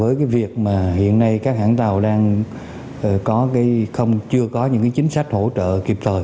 tuy nhiên với việc hiện nay các hãng tàu chưa có những chính sách hỗ trợ kịp thời